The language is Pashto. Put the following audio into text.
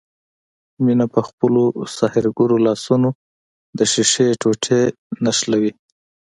مينه په خپلو سحرګرو لاسونو د ښيښې ټوټې نښلوي.